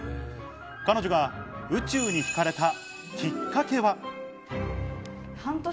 彼女が宇宙にひかれたきっかけは。